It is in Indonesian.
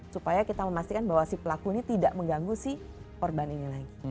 supaya kita memastikan bahwa si pelaku ini tidak mengganggu si korban ini lagi